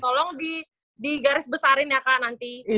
tolong digarisbesarin ya kak nanti